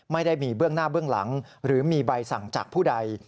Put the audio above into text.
ไม่ได้มีเบื้องหน้าเบื้องหลังหรือมีใบสั่งจากผู้ใด